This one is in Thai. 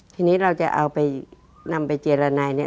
ทีนี้เราจะเอาไปนำไปเจียวระไน